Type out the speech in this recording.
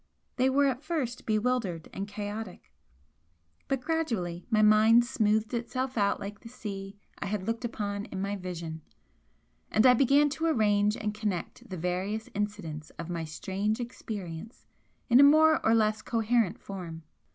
They were at first bewildered and chaotic but gradually my mind smoothed itself out like the sea I had looked upon in my vision, and I began to arrange and connect the various incidents of my strange experience in a more or less coherent form.